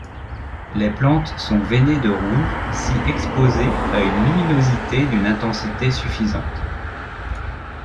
Les plantes sont veinées de rouge si exposées à une luminosité d'une intensité suffisante.